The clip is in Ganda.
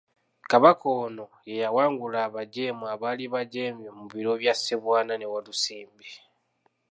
Kabaka ono ye yawangula abajeemu abaali bajeemye mu biro bya Ssebwana ne Walusimbi.